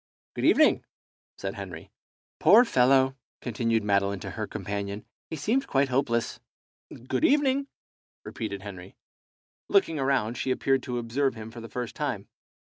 "Good evening," said Henry. "Poor fellow!" continued Madeline to her companion, "he seemed quite hopeless." "Good evening," repeated Henry. Looking around, she appeared to observe him for the first time.